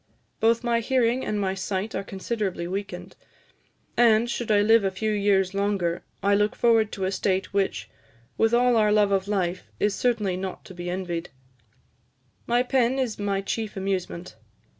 Both my hearing and my sight are considerably weakened, and, should I live a few years longer, I look forward to a state which, with all our love for life, is certainly not to be envied.... My pen is my chief amusement.